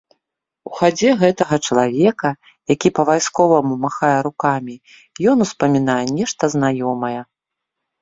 У хадзе гэтага чалавека, які па-вайсковаму махае рукамі, ён успамінае нешта знаёмае.